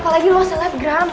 jadi lo selebram